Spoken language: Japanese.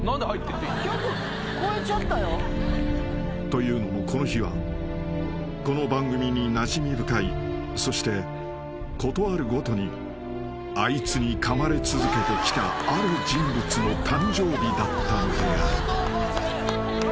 ［というのもこの日はこの番組になじみ深いそして事あるごとにあいつにかまれ続けてきたある人物の誕生日だったのである］